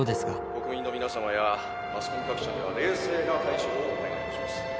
国民の皆様やマスコミ各社には冷静な対処をお願いいたします